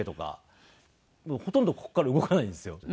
もうほとんどここから動かないんですよ。